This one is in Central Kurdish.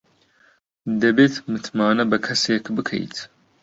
دەبێت متمانە بە کەسێک بکەیت.